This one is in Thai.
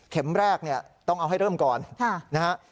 เข็มแรกต้องเอาให้เริ่มก่อนนะครับ